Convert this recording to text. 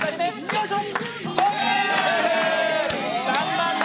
よいしょ！